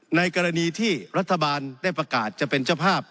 ในกรณีที่รัฐบาลได้ประกาศจะเป็นเจ้าภาพ